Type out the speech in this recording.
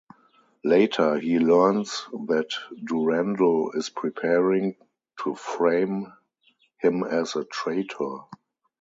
Later, he learns that Durandal is preparing to frame him as a traitor.